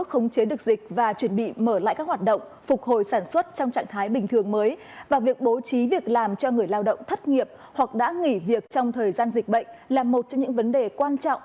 hoặc đã nghỉ việc trong thời gian dịch bệnh là một trong những vấn đề quan trọng